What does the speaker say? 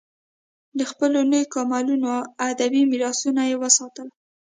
د خپلو نیکونو علمي، ادبي میراثونه یې ساتل.